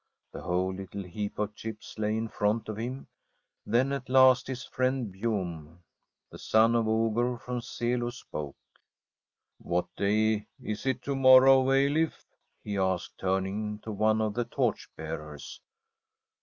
A whole little heap of chips lay in front of him. Then at last his friend Bjom, the son of Ogur from Selo, spoke. ' What day is it to morrow, Eilif ?' he asked, turning to one of the torch bearers.